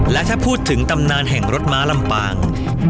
และถ้าพูดถึงตำนานแห่งรถม้าลำปาง